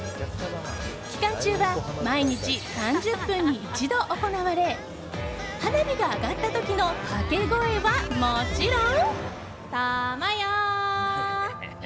期間中は毎日３０分に一度行われ花火が上がった時の掛け声はもちろん。